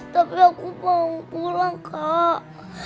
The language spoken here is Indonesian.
tapi aku mau pulang kak